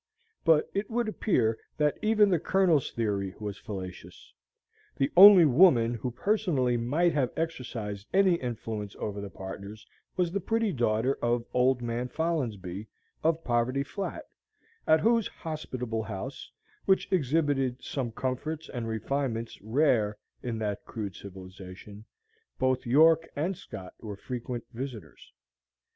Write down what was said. But it would appear that even the Colonel's theory was fallacious. The only woman who personally might have exercised any influence over the partners was the pretty daughter of "old man Folinsbee," of Poverty Flat, at whose hospitable house which exhibited some comforts and refinements rare in that crude civilization both York and Scott were frequent visitors.